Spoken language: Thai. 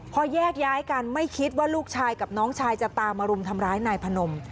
พอแยกย้ายกันไม่คิดว่าลูกชายกับน้องชายจะตามมารุมทำร้ายนายพนม